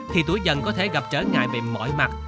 thì tuổi dân có thể gặp trở ngại về mọi mặt